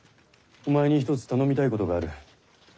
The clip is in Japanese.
お前に一つ頼みたいことがある。